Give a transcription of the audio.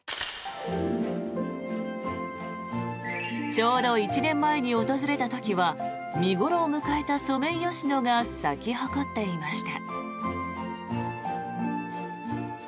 ちょうど１年前に訪れた時は見頃を迎えたソメイヨシノが咲き誇っていました。